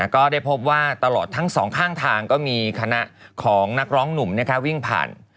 ก็ได้พบว่าตลอดทั้งสองข้างทางก็มีคณะของนักร้องหนุ่มวิ่งผ่าน